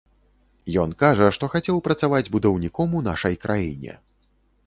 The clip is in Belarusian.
Ён кажа, што хацеў працаваць будаўніком у нашай краіне.